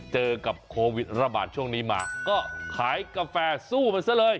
เจอกับโควิดระบาดช่วงนี้มาก็ขายกาแฟสู้มันซะเลย